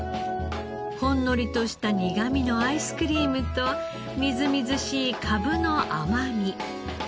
ほんのりとした苦みのアイスクリームとみずみずしいかぶの甘み。